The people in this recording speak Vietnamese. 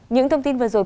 những thông tin vừa rồi